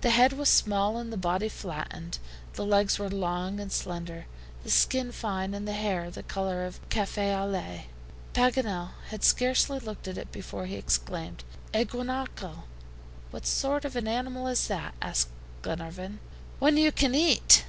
The head was small and the body flattened, the legs were long and slender, the skin fine, and the hair the color of cafe au lait. Paganel had scarcely looked at it before he exclaimed, "A guanaco!" "What sort of an animal is that?" asked Glenarvan. "One you can eat."